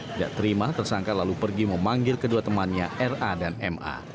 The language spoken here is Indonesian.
tidak terima tersangka lalu pergi memanggil kedua temannya r a dan m a